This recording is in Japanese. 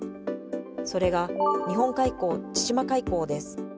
それが、日本海溝・千島海溝です。